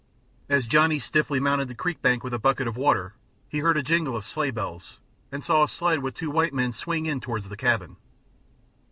As Johnny stiffly mounted the creek bank with a bucket of water he heard a jingle of sleighbells and saw a sled with two white men swing in toward the cabin.